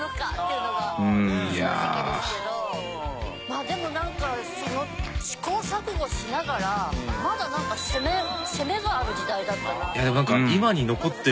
まあでもなんか試行錯誤しながらまだなんか攻めがある時代だったなって。